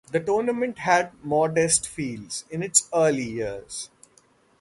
The tournament had modest fields in its early years.